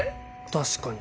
確かに。